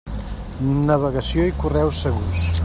Navegació i correu segurs.